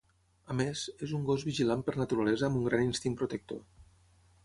A més, és un gos vigilant per naturalesa amb un gran instint protector.